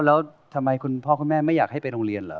แล้วทำไมคุณพ่อคุณแม่ไม่อยากให้ไปโรงเรียนเหรอ